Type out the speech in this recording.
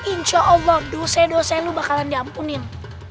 insya allah dosa dosa lu bakalan diampunin